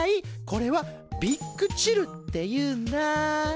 これはビッグチルっていうんだ。